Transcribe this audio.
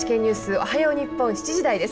おはよう日本７時台です。